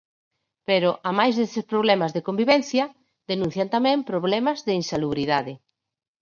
Pero, amais destes problemas de convivencia, denuncian tamén problemas de insalubridade.